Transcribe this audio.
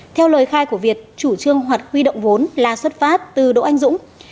theo lời khai của việt chủ trương hoạt huy động vốn là xuất phát từ đỗ anh dũng